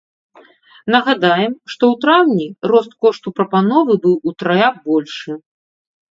Нагадаем, што ў траўні рост кошту прапановы быў утрая большы.